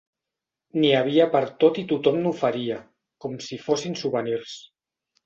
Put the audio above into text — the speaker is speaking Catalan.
N'hi havia pertot i tothom n'oferia, com si fossin souvenirs.